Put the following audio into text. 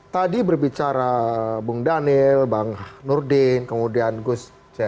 tadi berbicara bung daniel bang nurdin kemudian gus